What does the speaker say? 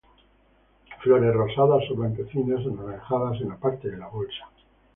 Flores rosadas o blanquecinas, anaranjadas en la parte de la bolsa.